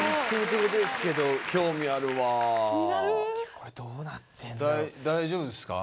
これどうなってんだろ？